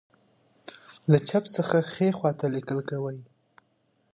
له چپ څخه ښی خواته لیکل کوي.